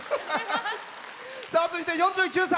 続いて４９歳。